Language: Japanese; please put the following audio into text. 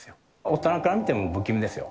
大人から見ても不気味ですよ。